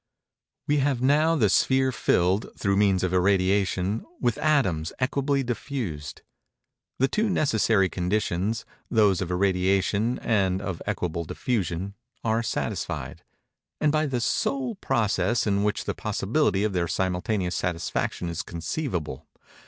We have now the sphere filled, through means of irradiation, with atoms equably diffused. The two necessary conditions—those of irradiation and of equable diffusion—are satisfied; and by the sole process in which the possibility of their simultaneous satisfaction is conceivable.